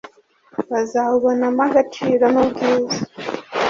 bazawubonamo agaciro n’ubwiza,